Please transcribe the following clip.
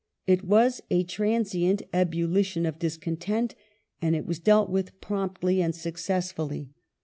It was a transient ebullition of discontent, and it was dealt with promptly and successfully.